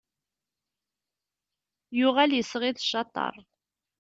Yuɣal, isɣi d ccateṛ.